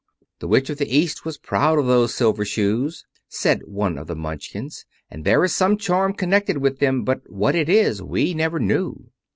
"The Witch of the East was proud of those silver shoes," said one of the Munchkins, "and there is some charm connected with them; but what it is we never knew."